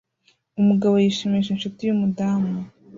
Umugabo yishimisha inshuti yumudamu